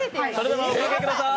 おかけください。